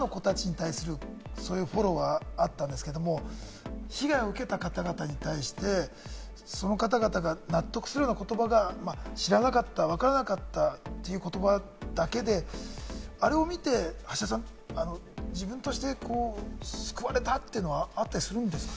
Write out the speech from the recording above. そういうフォローはあったんですけれども、被害を受けたかたがたに対して、その方々が納得するような言葉が、知らなかったわからなかったという言葉だけであれを見て、橋田さん、自分として救われたというのはあったりするんですか？